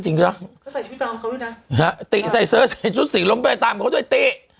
ฮะติใส่เสื้อใส่ชุดสีลุ้งไปตามเขาด้วยติ